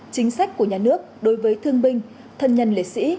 chính sách của nhà nước đối với thương binh thân nhân liệt sĩ